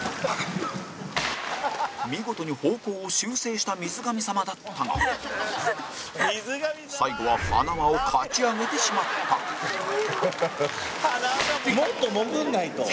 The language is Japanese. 見事に方向を修正した水神さまだったが最後は塙をかち上げてしまったもっと潜んないと。